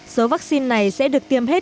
số vaccine này sẽ được tiêm hết